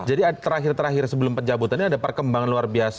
jadi terakhir terakhir sebelum pencabutannya ada perkembangan luar biasa